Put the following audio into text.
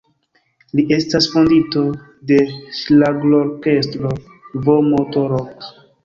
Li estas fondinto de ŝlagrorkestro "V'Moto-Rock".